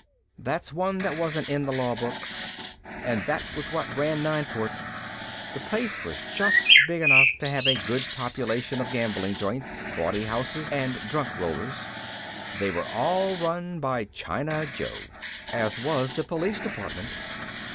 That's one that wasn't in the law books. And that was what ran Nineport. The place was just big enough to have a good population of gambling joints, bawdy houses and drunk rollers. They were all run by China Joe. As was the police department.